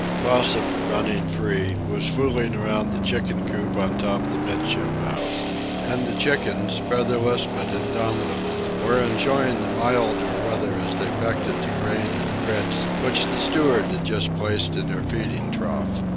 Possum, running free, was fooling around the chicken coop on top the 'midship house. And the chickens, featherless but indomitable, were enjoying the milder weather as they pecked at the grain and grits which the steward had just placed in their feeding trough.